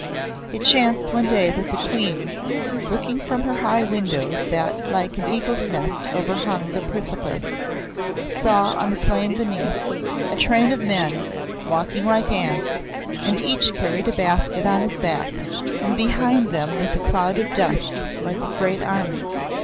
It chanced one day that the Queen, looking from her high window that like an eagle's nest overhung the precipice, saw, on the plain beneath, a train of men, walking like ants, and each carried a basket on his back, and behind them was a cloud of dust like a great army.